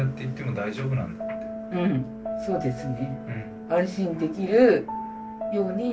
うんそうですね。